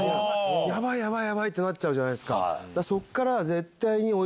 ヤバいヤバいヤバい！ってなっちゃうじゃないですか。